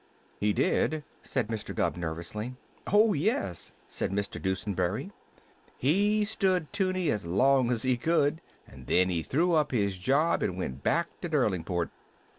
"He did?" said Mr. Gubb nervously. "Oh, yes," said Mr. Dusenberry. "He stood 'Tunie as long as he could, and then he threw up his job and went back to Derlingport.